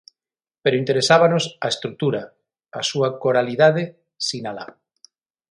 Pero interesábanos a estrutura, a súa coralidade, sinala.